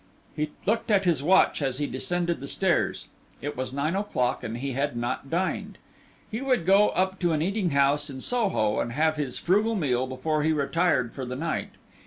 He looked at his watch as he descended the stairs. It was nine o'clock and he had not dined; he would go up to an eating house in Soho and have his frugal meal before he retired for the night.